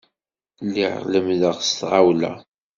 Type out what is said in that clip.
Lliɣ lemmdeɣ s tɣawla.